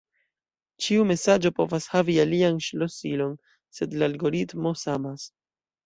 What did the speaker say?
Ĉiu mesaĝo povas havi alian ŝlosilon, sed la algoritmo samas.